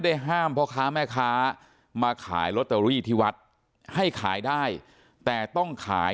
ห้ามพ่อค้าแม่ค้ามาขายลอตเตอรี่ที่วัดให้ขายได้แต่ต้องขาย